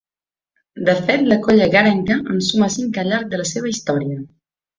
De fet, la colla egarenca, en suma cinc al llarg de la seva història.